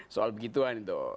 soal begituan itu